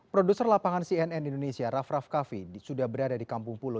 produser lapangan cnn indonesia raff raff kaffi sudah berada di kampung pulo